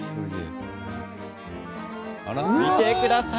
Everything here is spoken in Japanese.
見てください。